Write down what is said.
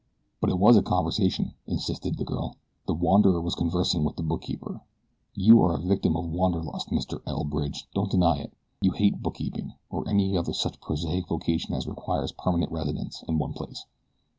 "But it was a conversation," insisted the girl. "The wanderer was conversing with the bookkeeper. You are a victim of wanderlust, Mr. L. Bridge don't deny it. You hate bookkeeping, or any other such prosaic vocation as requires permanent residence in one place."